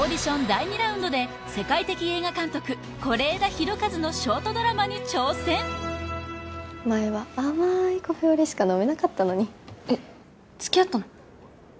第２ラウンドで世界的映画監督是枝裕和のショートドラマに挑戦前は甘いカフェオレしか飲めなかったのにえっつきあったの？